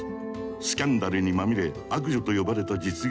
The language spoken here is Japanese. スキャンダルにまみれ「悪女」と呼ばれた実業家